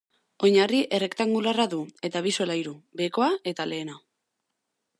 Oinarri errektangularra du eta bi solairu, behekoa eta lehena.